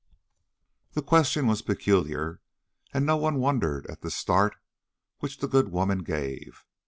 The question was peculiar and no one wondered at the start which the good woman gave.